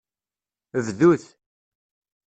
Bdut.